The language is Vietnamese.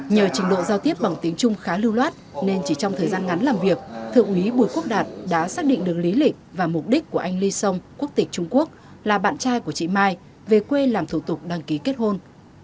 nhờ trình độ giao tiếp bằng tiếng trung khá lưu loát nên chỉ trong thời gian ngắn làm việc thượng úy bùi quốc đạt đã xác định được lý lịch và mục đích của anh ly song quốc tịch trung quốc là bạn trai của chị mai về quê làm thủ tục đăng ký kết hôn